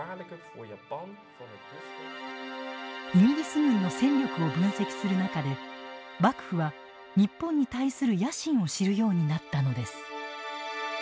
イギリス軍の戦力を分析する中で幕府は日本に対する野心を知るようになったのです。